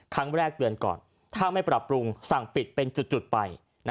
เตือนก่อนถ้าไม่ปรับปรุงสั่งปิดเป็นจุดไป